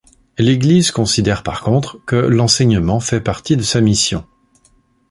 L'Église considère par contre que l'enseignement fait partie de sa mission.